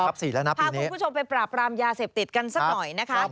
พาคุณผู้ชมไปปราบรามยาเสพติดกันสักหน่อยนะคะ